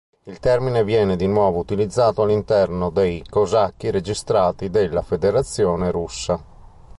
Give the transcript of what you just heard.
Il termine viene di nuovo utilizzato all'interno dei Cosacchi registrati della Federazione Russa.